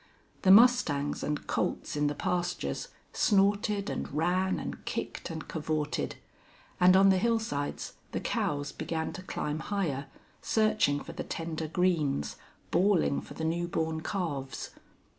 The mustangs and colts in the pastures snorted and ran and kicked and cavorted; and on the hillsides the cows began to climb higher, searching for the tender greens, bawling for the new born calves.